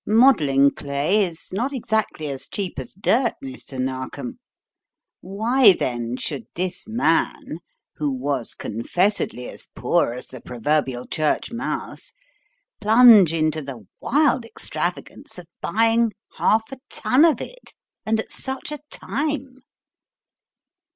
Modelling clay is not exactly as cheap as dirt, Mr. Narkom. Why, then, should this man, who was confessedly as poor as the proverbial church mouse, plunge into the wild extravagance of buying half a ton of it and at such a time?